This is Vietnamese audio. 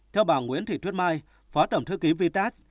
theo bà nguyễn thị thuyết mai phó tổng thư ký vitas